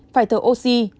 phải thở oxy